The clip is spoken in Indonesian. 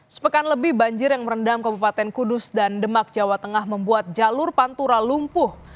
sepekan lebih banjir yang merendam kabupaten kudus dan demak jawa tengah membuat jalur pantura lumpuh